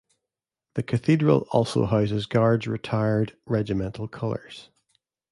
The cathedral also houses the guards' retired regimental colours.